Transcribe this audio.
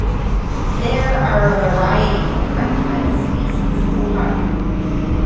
There are a variety of reptile species in the park.